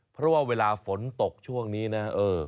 เพราะว่าเวลาฝนตกช่วงนี้นะ